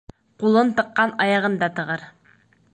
Ҡулын тыҡҡан аяғын да тығыр.